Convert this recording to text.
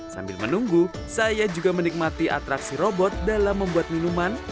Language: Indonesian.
sambil menunggu saya juga menikmati atraksi robot dalam membuat minuman